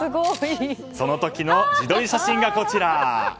その時の自撮り写真がこちら。